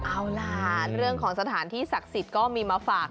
เอาล่ะเรื่องของสถานที่ศักดิ์สิทธิ์ก็มีมาฝาก